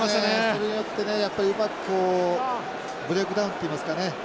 それによってねやっぱりうまくこうブレークダウンっていいますかね。